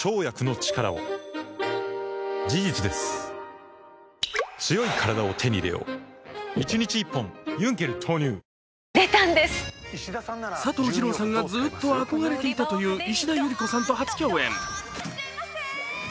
やさしい確定申告はｆｒｅｅｅ佐藤二朗さんがずっと憧れていたという石田ゆり子さんと初共演。